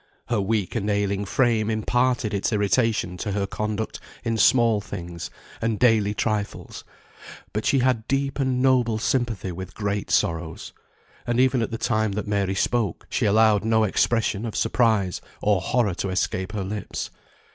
Her weak and ailing frame imparted its irritation to her conduct in small things, and daily trifles; but she had deep and noble sympathy with great sorrows, and even at the time that Mary spoke she allowed no expression of surprise or horror to escape her lips.